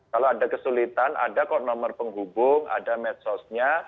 kalau ada kesulitan ada kok nomor penghubung ada medsosnya